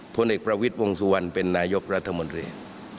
พลเอกประวิทย์วงสุวรรณเป็นนายกรัฐมนตรี